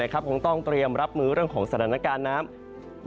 คงต้องเตรียมรับมือเรื่องของสถานการณ์น้ำ